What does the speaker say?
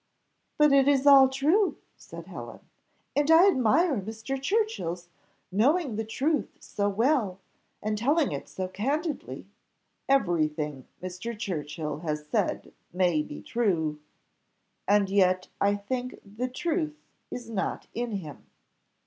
"But it is all true," said Helen, "And I admire Mr. Churchill's knowing the truth so well and telling it so candidly." "Every thing Mr. Churchill has said may be true and yet I think the truth is not in him."